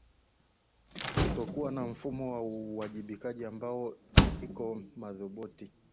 kutokuwa na mifumo ya uwajibikaji ambayo iko madhubuti